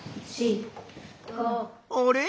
あれ？